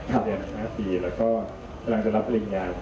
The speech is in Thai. แล้วก็กำลังจะรับพลิงญาณ